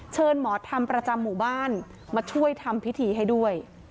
หมอธรรมประจำหมู่บ้านมาช่วยทำพิธีให้ด้วย